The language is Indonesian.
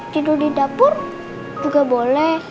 tidur didapur juga boleh